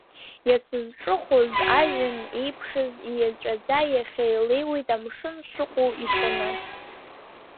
Иац сызҿыхәоз, ажәҩан еиԥшыз ииаҵәаӡа, иахьа илеиуеит амшын шыҟоу ишьаны.